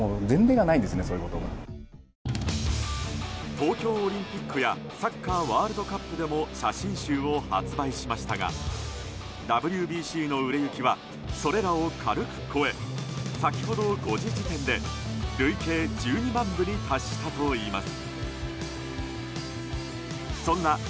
東京オリンピックやサッカーワールドカップでも写真集を発売していましたがＷＢＣの売れ行きはそれらを軽く超え先ほど５時時点で累計１２万部に達したといいます。